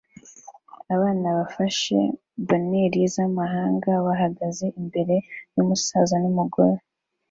Abana bafashe banneri zamahanga bahagaze imbere yumusaza numugore